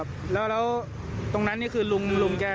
ครับแล้วแล้วตรงนั้นนี่คือลุงแก่